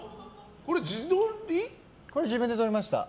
これ、自分で撮りました。